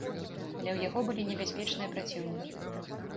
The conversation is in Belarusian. Але ў яго былі небяспечныя праціўнікі.